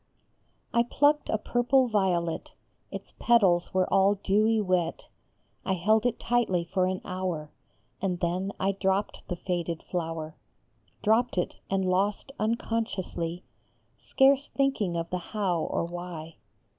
PLUCKED a purple violet, Its petals were all dewy wet, I held it tightly for an hour, And then I dropped the faded flower; Dropped it and lost unconsciously, Scarce thinking of the how or why.